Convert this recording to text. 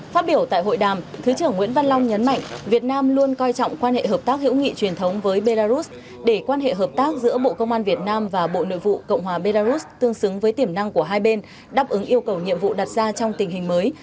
phát biểu tại hội đàm thứ trưởng nguyễn văn long nhấn mạnh việt nam luôn coi trọng quan hệ hợp tác hữu nghị truyền thống với belarus để quan hệ hợp tác giữa bộ công an việt nam và bộ nội vụ cộng hòa belarus tương xứng với tiềm năng của hai bên đáp ứng yêu cầu nhiệm vụ đặt ra trong tình hình mới